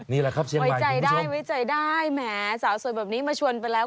นี่แหละครับใช่ไหมไว้ใจได้ไว้ใจได้แหมสาวสวยแบบนี้มาชวนไปแล้ว